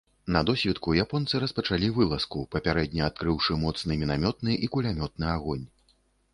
На досвітку японцы распачалі вылазку, папярэдне адкрыўшы моцны мінамётны і кулямётны агонь.